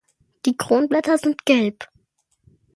Die Kronblätter sind gelb.